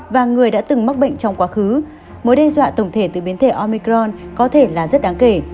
và người đã từng mắc bệnh trong quá khứ mối đe dọa tổng thể từ biến thể omicron có thể là rất đáng kể